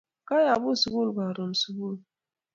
Kayabu sukul karon subui